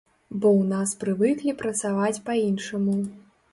Бо ў нас прывыклі працаваць па-іншаму.